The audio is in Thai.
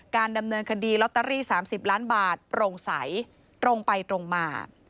การดำเนินคดีลอตเตอรี่๓๐ล้านบาทโปร่งใสตรงไปตรงมา